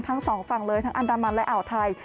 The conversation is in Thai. ทั้งสองฝั่งเลยทั้งอันดามันและอ่าวไทย